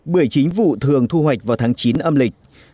bưởi chính vụ thường thu hoạch vào tháng chín âm lịch